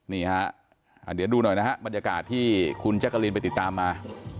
นี่ฮะเดี๋ยวดูหน่อยนะฮะบรรยากาศที่คุณแจ๊กกะลีนไปติดตามมา